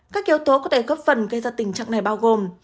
các yếu tố có thể góp phần gây ra tình trạng này bao gồm